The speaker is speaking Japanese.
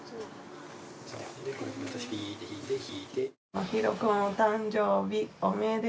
真浩くんお誕生日おめでとう。